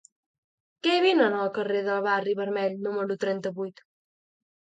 Què venen al carrer del Barri Vermell número trenta-vuit?